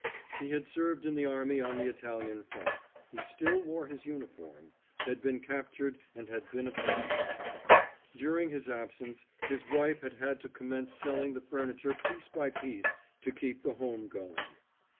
He had served in the army on the Italian front—he still wore his uniform—had been captured and had been a prisoner. During his absence, his wife had had to commence selling the furniture piece by piece to keep the home going.